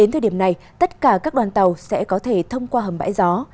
thời điểm này tất cả các đoàn tàu sẽ có thể thông qua hầm bãi gió